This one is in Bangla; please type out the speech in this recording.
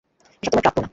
এসব তোমার প্রাপ্য না।